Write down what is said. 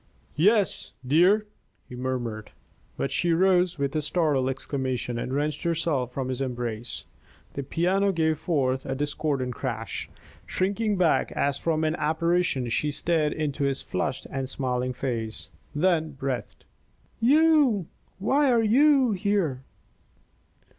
"Yes, dear!" he murmured. But she rose with a startled exclamation, and wrenched herself from his embrace. The piano gave forth a discordant crash. Shrinking back as from an apparition, she stared into his flushed and smiling face; then breathed: "You! Why are you here!"